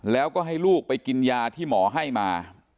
แล้วก็ให้ลูกไปกินยาที่หมอให้มา